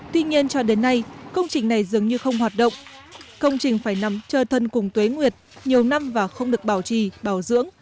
tuy nhiên cho đến nay công trình này dường như không hoạt động công trình phải nằm trơ thân cùng tuế nguyệt nhiều năm và không được bảo trì bảo dưỡng